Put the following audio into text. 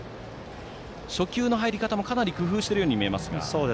初球の入り方もかなり工夫しているように見えますが。